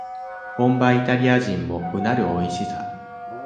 本場イタリア人もうなるおいしさ